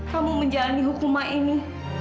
kamu menjalani hukuman ini